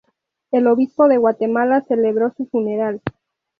El Obispo de Guatemala celebró su funeral.